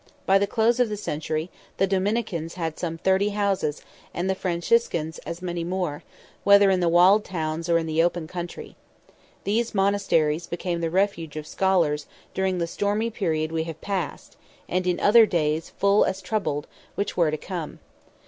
By the close of the century, the Dominicans had some thirty houses, and the Franciscans as many more, whether in the walled towns or the open country. These monasteries became the refuge of scholars, during the stormy period we have passed, and in other days full as troubled, which were to come.